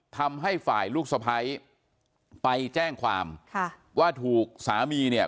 ทำให้ฝ่ายลูกสะพ้ายไปแจ้งความค่ะว่าถูกสามีเนี่ย